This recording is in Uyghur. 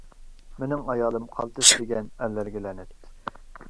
مېنىڭ ئايالىم قالتىس دېگەن ئەرلەرگە لەنەت.